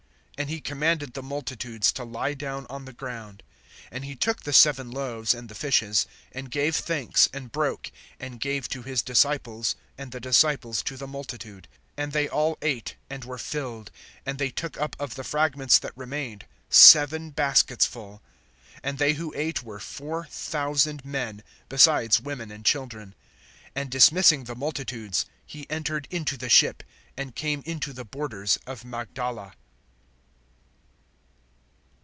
(35)And he commanded the multitudes to lie down on the ground. (36)And he took the seven loaves and the fishes, and gave thanks, and broke, and gave to his disciples, and the disciples to the multitude. (37)And they all ate, and were filled. And they took up of the fragments that remained seven baskets full. (38)And they who ate were four thousand men, besides women and children. (39)And dismissing the multitudes, he entered into the ship, and came into the borders of Magdala.